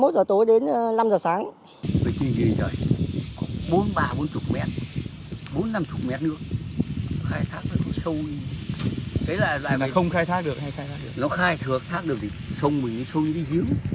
một mươi một giờ tối đến năm giờ sáng